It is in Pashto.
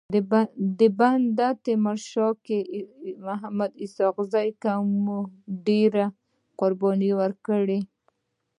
بند تيمور کي اسحق زي قوم ډيري قرباني ورکړي.